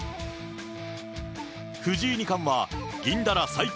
藤井二冠は銀だら西京